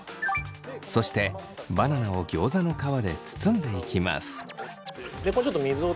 そしてバナナをギョーザの皮で包んでいきます。